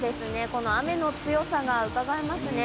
この雨の強さがうかがえますね。